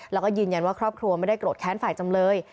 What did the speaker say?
แล้วก็ยืนยันว่าครอบครัวไม่ได้โกรธแค้นฝ่ายจำเลย